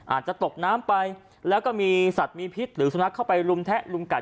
อาจจะตกน้ำไปแล้วก็มีสัตว์มีพิษหรือสุนัขเข้าไปลุมแทะลุมไก่